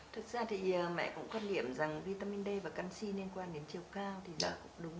thực ra thì mẹ cũng quan điểm rằng vitamin d và canxi liên quan đến chiều cao thì cũng đúng